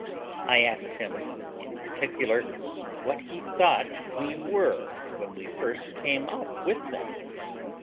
I asked him, in particular, what he thought we were when we first came up with them?